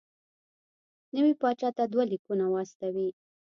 نوي پاچا ته دوه لیکونه واستوي.